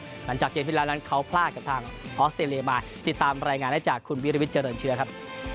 หลังจากเกมที่แล้วนั้นเขาพลาดกับทางออสเตรเลียมาติดตามรายงานได้จากคุณวิริวิทเจริญเชื้อครับ